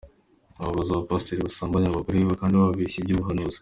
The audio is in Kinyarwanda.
Aho aba Pastor basambanya abagore babandi bababeshya iby’ubuhanuzi.